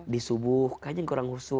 di subuh kan yang kurang khusus